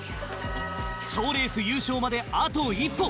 賞レース優勝まであと一歩！